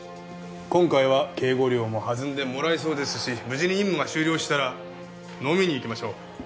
今回は警護料も弾んでもらえそうですし無事に任務が終了したら飲みに行きましょう。